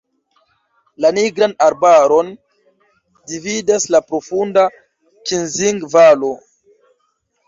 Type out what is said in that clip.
La Nigran arbaron dividas la profunda Kinzig-valo.